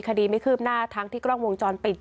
คดีไม่คืบหน้าทั้งที่กล้องวงจรปิด